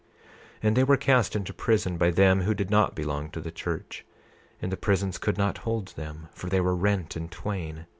28:19 And they were cast into prison by them who did not belong to the church. And the prisons could not hold them, for they were rent in twain.